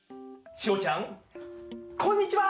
ちおちゃんこんにちは。